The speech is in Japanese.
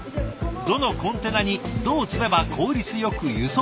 どのコンテナにどう積めば効率よく輸送できるか。